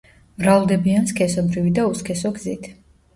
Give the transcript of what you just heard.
მრავლდებიან სქესობრივი და უსქესო გზით.